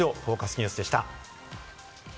ニュースでした。